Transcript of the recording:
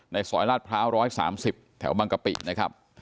ในสอยราชพร้าวร้อยสามสิบแถวบางกะปินะครับ